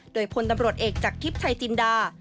โดยพลตำรวจเอกจากทิพย์ชัยจินดา